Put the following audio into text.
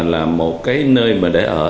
khi mà là một cái nơi mà để ở